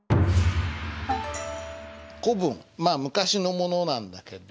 古文まあ昔のものなんだけど。